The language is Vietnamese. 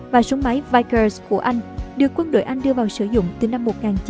và súng máy vickers của anh được quân đội anh đưa vào sử dụng từ năm một nghìn chín trăm một mươi ba